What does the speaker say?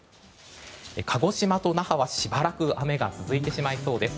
鹿児島と那覇はしばらく雨が続いてしまいそうです。